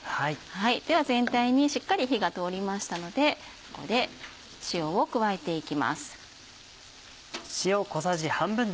では全体にしっかり火が通りましたのでここで塩を加えていきます。